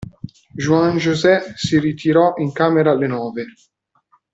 Juan José si ritirò in camera alle nove.